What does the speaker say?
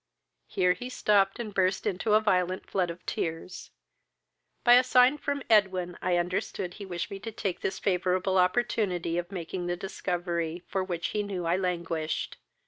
Here he stopped, and burst into a violent flood of tears. By a sign from Edwin I understood he wished me to take this favourable opportunity of making the discovery, for which he knew I languished.